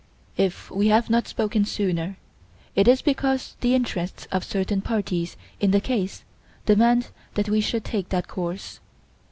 "If we have not spoken sooner, it is because the interests of certain parties in the case demand that we should take that course.